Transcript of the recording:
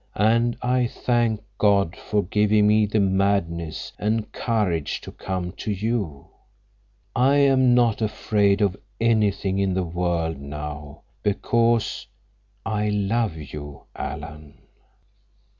"And I thank God for giving me the madness and courage to come to you. I am not afraid of anything in the world now—because—I love you, Alan!"